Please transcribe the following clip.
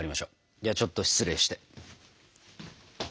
ではちょっと失礼して。